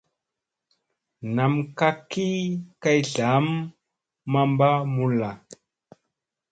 Nam kak ki kay zlagam mamba mulla.